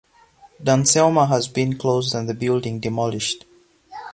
Dunselma has been closed and the building demolished.